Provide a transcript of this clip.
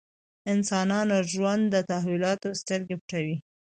انسانانو ژوند تحولاتو سترګې پټوي.